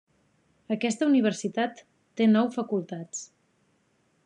Aquesta universitat té nou facultats.